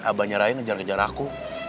abangnya raya ngejar ngejar aku